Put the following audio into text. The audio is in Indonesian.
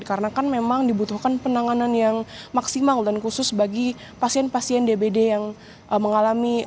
karena kan memang dibutuhkan penanganan yang maksimal dan khusus bagi pasien pasien dbd yang mengalami